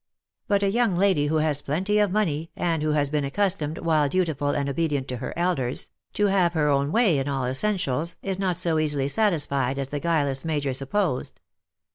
But a young lady who has plenty of money, and who has been accustomed, while dutiful and obedient to her elders, to have her own way in all essentials, is not so easily satisfied os the guileless Major supposed.